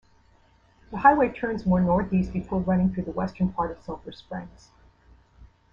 The highway turns more northeast before running through the western part of Sulphur Springs.